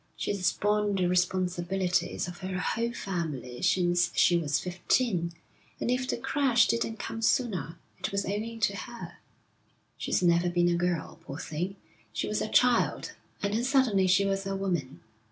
She's borne the responsibilities of her whole family since she was fifteen, and if the crash didn't come sooner, it was owing to her. She's never been a girl, poor thing; she was a child, and then suddenly she was a woman.'